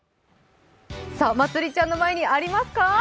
まつりちゃんの前にありますか？